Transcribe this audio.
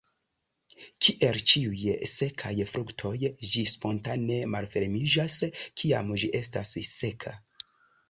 Kiel ĉiuj sekaj fruktoj ĝi spontane malfermiĝas, kiam ĝi estas seka.